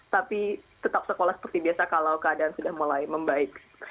tapi tetap sekolah seperti biasa kalau keadaan sudah mulai membaik